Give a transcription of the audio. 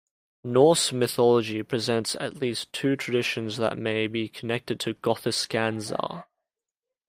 Norse mythology presents at least two traditions that may be connected to Gothiscandza.